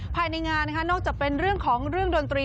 ภายในงานนะคะนอกจากเป็นเรื่องของเรื่องดนตรี